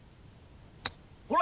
ほら！